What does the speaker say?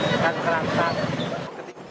ya dan kerang kerang